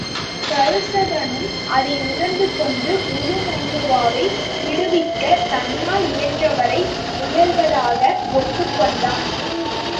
தருசகனும் அதை உணர்ந்துகொண்டு உருமண்ணுவாவை விடுவிக்கத் தன்னால் இயன்றவரை முயல்வதாக ஒப்புக் கொண்டான்.